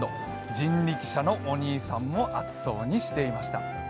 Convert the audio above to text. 人力車のお兄さんも暑そうにしていました。